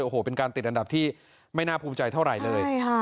โอ้โหเป็นการติดอันดับที่ไม่น่าภูมิใจเท่าไหร่เลย